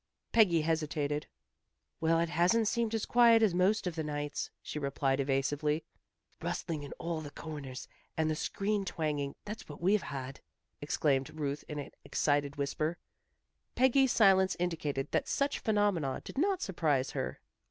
Peggy hesitated. "Well, it hasn't seemed as quiet as most of the nights," she replied, evasively. "Rustling in all the corners, and the screen twanging, that's what we've had," exclaimed Ruth in an excited whisper. Peggy's silence indicated that such phenomena did not surprise her.